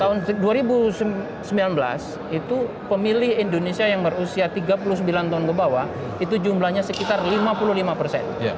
tahun dua ribu sembilan belas itu pemilih indonesia yang berusia tiga puluh sembilan tahun ke bawah itu jumlahnya sekitar lima puluh lima persen